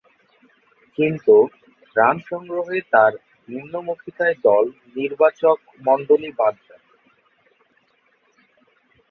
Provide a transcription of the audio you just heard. কিন্তু, রান সংগ্রহে তার নিম্নমূখীতায় দল নির্বাচকমণ্ডলী বাদ দেন।